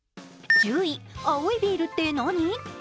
１０位、青いビールって何？